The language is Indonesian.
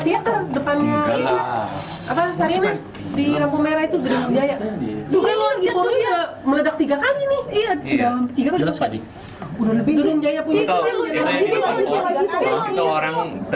di depannya jakarta theater depannya apa saya di lampung merah itu